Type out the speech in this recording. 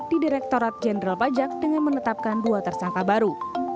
di direktorat jenderal pajak dengan menetapkan dua tersangka baru